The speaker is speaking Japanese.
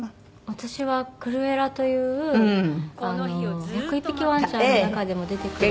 私はクルエラというあの『１０１匹わんちゃん』の中でも出てくる。